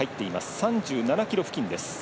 ３７ｋｍ辺りです。